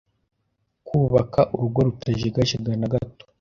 kubaka urugo rutajegajega nagato